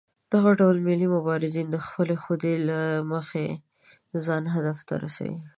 دغه ډول ملي مبارزین د خپلې خودۍ له مخې ځان هدف ته رسوي.